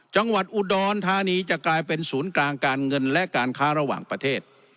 จังหวัดอุดรธานีจะกลายเป็นศูนย์กลางการเงินและการค้าระหว่างประเทศ